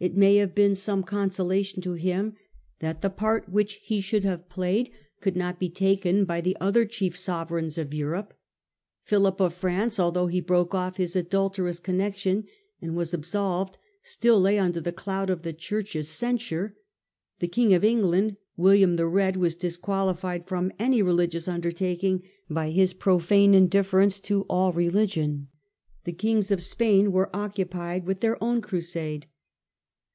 It may have been some consolation to him that the part which he should have played could not be taken by the other chief sovereigns of Europe. Philip of IVance, although he broke off his adulterous connexion and was absolved, still lay under the cloud of the Church's censure. The king of England, William the Eed, was disqualified from any religious undertaking by bis profane indifference to all religion. The kings of Spain were occupied with their own crusade.